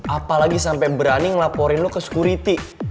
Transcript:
apalagi sampe berani ngelaporin lo ke sekuriti